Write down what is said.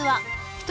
［１人